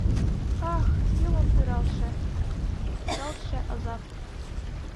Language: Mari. Ах, юмын пӱралтше, пӱрдалтше азап!